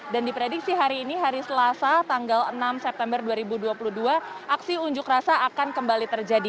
dan diprediksi hari ini hari selasa tanggal enam september dua ribu dua puluh dua aksi unjuk rasa akan kembali terjadi